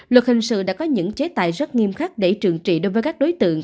luật hình sự đã có những chế tài rất nghiêm khắc để trường trị đối với các đối tượng